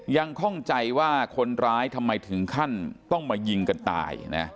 ข้องใจว่าคนร้ายทำไมถึงขั้นต้องมายิงกันตายนะ